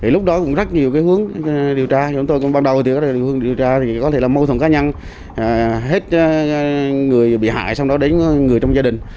lúc đó cũng rất nhiều hướng điều tra chúng tôi cũng ban đầu hướng điều tra có thể là mâu thuẫn cá nhân hết người bị hại xong đó đến người trong gia đình